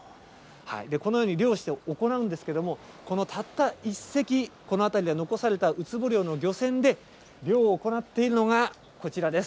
このように漁を行うんですけれども、このたった１隻、この辺りでは残されたウツボ漁の漁船で漁を行っているのが、こちらです。